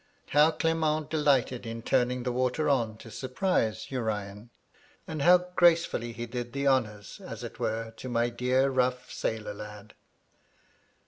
How Clement delighted in turning the water on to surprise Urian, and how gracefully he did the honours, as it were, to my dear, rough, sailor lad